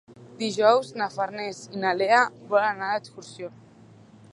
Dijous na Farners i na Lea volen anar d'excursió.